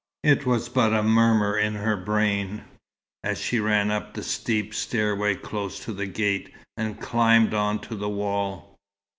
It was but a murmur in her brain, as she ran up the steep stairway close to the gate, and climbed on to the wall.